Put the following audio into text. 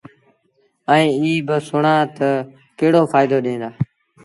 ائيٚݩ ايٚ با سُڻآ تا ڪهڙو ڦآئيدو ڏيݩ دآ۔